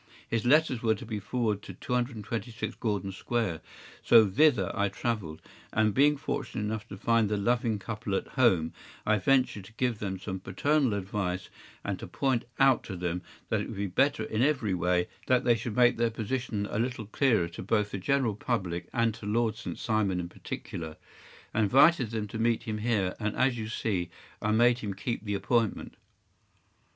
His letters were to be forwarded to 226 Gordon Square; so thither I travelled, and being fortunate enough to find the loving couple at home, I ventured to give them some paternal advice, and to point out to them that it would be better in every way that they should make their position a little clearer both to the general public and to Lord St. Simon in particular. I invited them to meet him here, and, as you see, I made him keep the appointment.